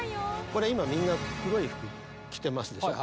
これ今みんな黒い服着てますでしょ。